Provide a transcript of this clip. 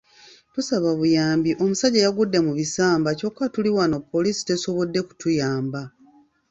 Tusaba buyambi omusajja yagudde mu bisamba kyokka tuli wano poliisi tesobodde kutuyamba.